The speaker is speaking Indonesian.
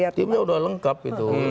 timnya sudah lengkap gitu